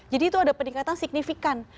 jadi itu ada peningkatan signifikan